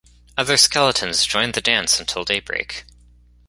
Other skeletons join the dance until daybreak.